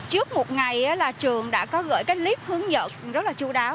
trước một ngày là trường đã có gửi cái clip hướng dẫn rất là chú đáo